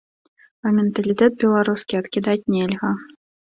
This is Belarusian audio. А менталітэт беларускі адкідаць нельга.